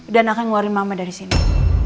dan akan ngeluarin mama dari sini